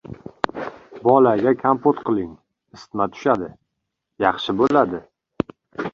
— Balaga kompot kiling. Isitma tushadi. Yakshi bo‘ladi.